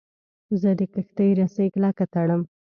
زه د کښتۍ رسۍ کلکه تړم.